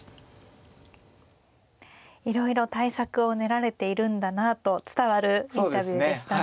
いろいろ対策を練られているんだなと伝わるインタビューでしたね。